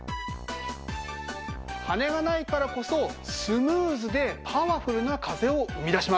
羽根がないからこそスムーズでパワフルな風を生み出します。